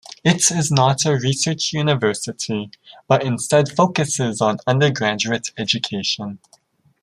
It is not a research university, but instead focuses on undergraduate education.